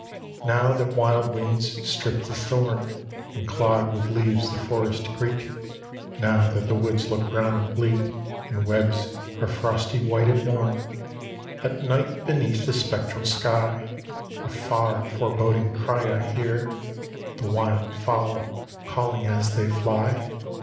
Now that wild winds have stripped the thorn, And clogged with leaves the forest creek; Now that the woods look brown and bleak, And webs are frosty white at morn; At night beneath the spectral sky, A far foreboding cry I hear The wild fowl calling as they fly?